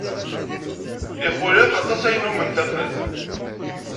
Ixulef aṭas ayen nnumen ttafen.